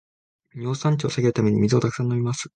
尿酸値を下げるために水をたくさん飲みます